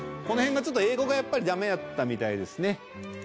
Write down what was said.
この辺がちょっと英語がやっぱりダメやったみたいですね。